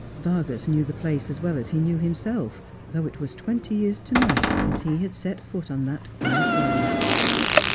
Vargas knew the place as well as he knew himself, though it was twenty years to night since he had set foot on that quiet road.